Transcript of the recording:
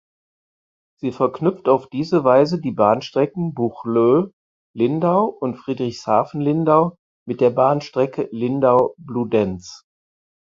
Sie verknüpft auf diese Weise die Bahnstrecken Buchloe–Lindau und Friedrichshafen–Lindau mit der Bahnstrecke Lindau–Bludenz.